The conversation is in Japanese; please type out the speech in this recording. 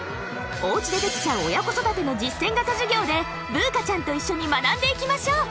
［おうちでできちゃう親子育ての実践型授業でブーカちゃんと一緒に学んでいきましょう］